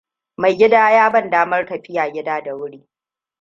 Maigidana ya ban damar tafiya gida da wuri.